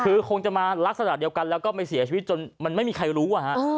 คือคงจะมาลักษณะเดียวกันแล้วก็ไม่เสียชีวิตจนมันไม่มีใครรู้